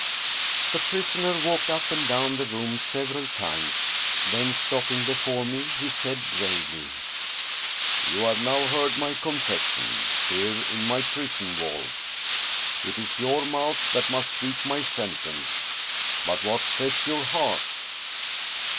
The prisoner walked up and down the room several times, then stopping before me he said gravely: "You have now heard my confession, here in my prison walls. It is your mouth that must speak my sentence. But what says your heart